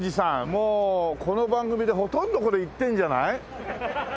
もうこの番組でほとんどこれ行ってんじゃない？